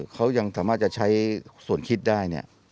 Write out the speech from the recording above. เขายังสามารถจะใช้ส่วนคิดได้เนี่ย